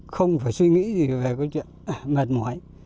không phải suy nghĩ gì về cái chuyện mệt mỏi